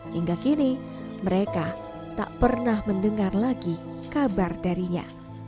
hingga kini mereka tak pernah mendengar lagi kabar darinya